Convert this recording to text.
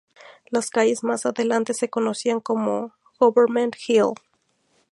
Las calles más adelante se conocían como Government Hill.